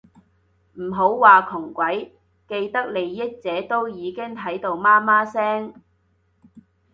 唔好話窮鬼，既得利益者都已經喺度媽媽聲